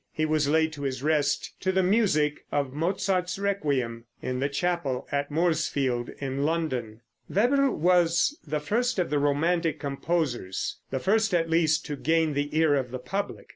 He was laid to his rest, to the music of Mozart's Requiem, in the chapel at Moorsfields in London. Weber was the first of the romantic composers the first, at least, to gain the ear of the public.